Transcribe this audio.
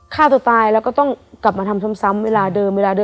ฆ่าตัวตายแล้วก็ต้องกลับมาทำซ้ำเวลาเดิมเวลาเดิ